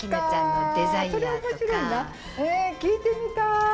え聴いてみたい！